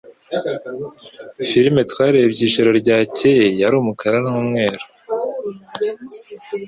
Filime twarebye ijoro ryakeye yari umukara n'umweru